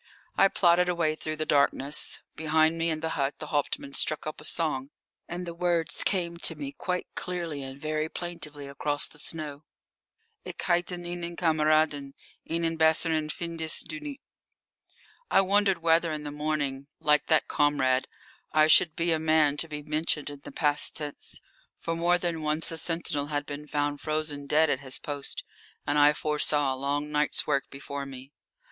I plodded away through the darkness. Behind me in the hut the Hauptmann struck up a song, and the words came to me quite clearly and very plaintively across the snow: Ich hatte einen Kamaraden Einen besseren findest du nicht. I wondered whether in the morning, like that comrade, I should be a man to be mentioned in the past tense. For more than once a sentinel had been found frozen dead at his post, and I foresaw a long night's work before me.